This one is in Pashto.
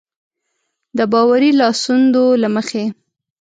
د باوري لاسوندو له مخې.